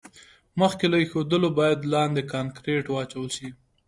مخکې له ایښودلو باید لاندې کانکریټ واچول شي